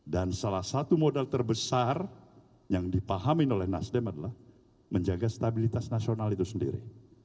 dan salah satu modal terbesar yang dipahami oleh nasdem adalah menjaga stabilitas nasional itu sendiri